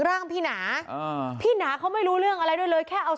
ร่างพี่หนาอ่าพี่หนาเขาไม่รู้เรื่องอะไรด้วยเลยแค่เอา